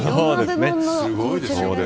すごいですよね。